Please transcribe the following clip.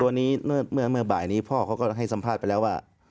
วันนี้เมื่อบ่ายนี้พ่อเขาก็ให้สัมภาษณ์ไปแล้วว่า